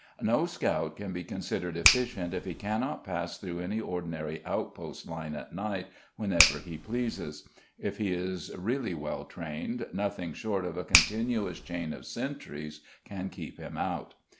No scout can be considered efficient if he cannot pass through any ordinary outpost line at night whenever he pleases; if he is really well trained, nothing short of a continuous chain of sentries can keep him out.